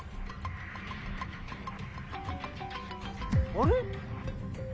あれ？